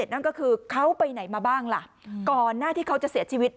นั่นก็คือเขาไปไหนมาบ้างล่ะก่อนหน้าที่เขาจะเสียชีวิต